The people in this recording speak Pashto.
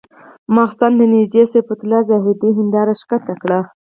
ماخستن ته نږدې صفت الله زاهدي هنداره ښکته کړه.